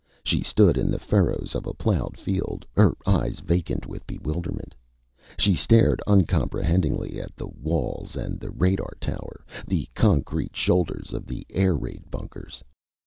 She stood in the furrows of a plowed field, her eyes vacant with bewilderment. She stared uncomprehendingly at the walls and the radar tower, the concrete shoulders of the air raid bunkers.